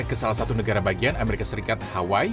ke salah satu negara bagian amerika serikat hawaii